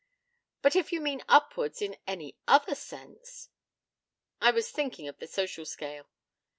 But if you mean upwards in any other sense ' 'I was thinking of the social scale.'